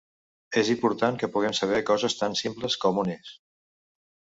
És important que puguem saber coses tan simples com on és.